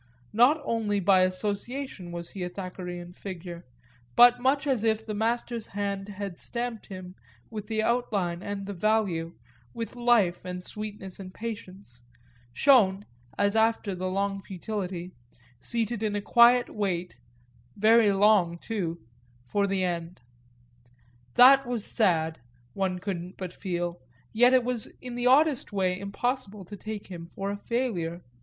Not only by association was he a Thackerayan figure, but much as if the master's hand had stamped him with the outline and the value, with life and sweetness and patience shown, as after the long futility, seated in a quiet wait, very long too, for the end. That was sad, one couldn't but feel; yet it was in the oddest way impossible to take him for a failure.